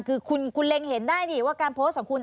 คือคุณเล็งเห็นได้นี่ว่าการโพสต์ของคุณ